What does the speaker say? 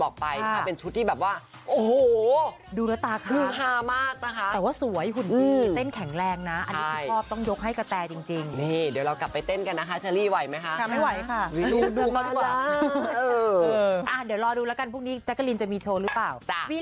แข็งแรงนะอันนี้ชอบต้องยกให้กระแทรจริงจริงนี่เดี๋ยวกลับไปเต้นกันนะคะชะลีไหวไหมคะไม่ไหวค่ะดูดูมากกว่าเออเออเดี๋ยวรอดูแล้วกันพรุ่งนี้แจ๊กกะลินจะมีโชว์หรือเปล่า